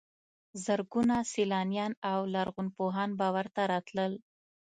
زرګونه سیلانیان او لرغونپوهان به ورته راتلل.